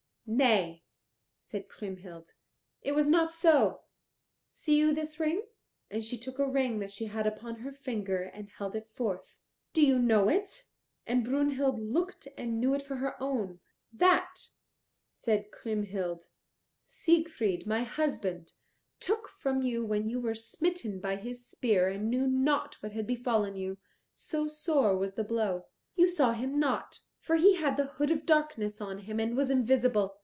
"Nay," said Kriemhild, "it was not so. See you this ring?" And she took a ring that she had upon her finger and held it forth. "Do you know it?" And Brunhild looked and knew it for her own. "That," said Kriemhild, "Siegfried, my husband, took from you when you were smitten by his spear and knew not what had befallen you, so sore was the blow. You saw him not, for he had the Hood of Darkness on him and was invisible.